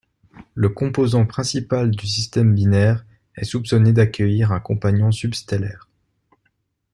Le composant principal du système binaire est soupçonné d'accueillir un compagnon substellaire.